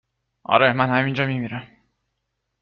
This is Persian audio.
اره من همین جا می میرم